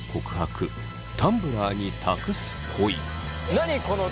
何この。